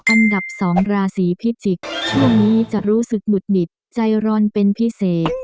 อันดับ๒ราศีพิจิกษ์ช่วงนี้จะรู้สึกหงุดหงิดใจร้อนเป็นพิเศษ